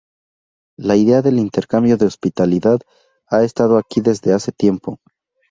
La idea del intercambio de hospitalidad ha estado aquí desde hace tiempo.